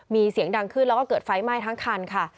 มีเสียงดังขึ้นแล้วก็เกิดไฟไหม้ทั้งคันค่ะ